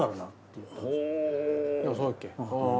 そうだっけ？